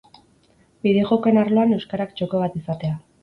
Bideojokoen arloan euskarak txoko bat izatea